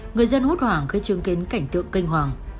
người dân hốt hoảng khi chứng kiến cảnh tượng kinh hoàng